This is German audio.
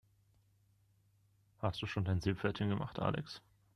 Hast du schon dein Seepferdchen gemacht, Alex?